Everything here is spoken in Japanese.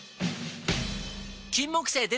金木犀でた！